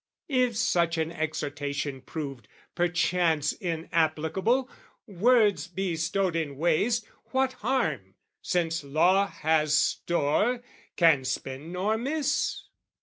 If such an exhortation proved, perchance, Inapplicable, words bestowed in waste, What harm, since law has store, can spend nor miss?